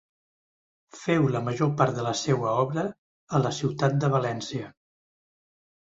Féu la major part de la seua obra a la ciutat de València.